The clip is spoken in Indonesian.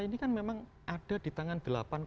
ini kan memang ada di tangan